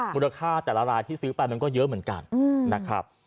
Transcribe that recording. มูลค่าแต่ละรายที่ซื้อไปมันก็เยอะเหมือนกันนะครับ